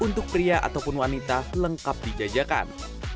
untuk pria ataupun wanita lengkap dijajakan